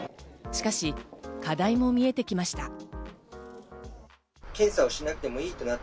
しかし、課題も見えてきました。